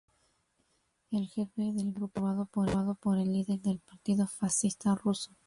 El jefe del grupo era aprobado por el líder del Partido Fascista Ruso.